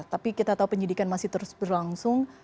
tapi kita tahu penyidikan masih terus berlangsung